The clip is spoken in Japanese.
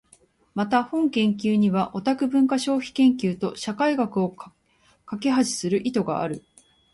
また、本研究にはオタク文化消費研究と社会学を架橋する意図がある。